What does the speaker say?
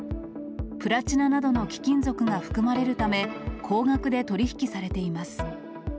プラチナなどの貴金属が含まれるため、高額で取り引きされています。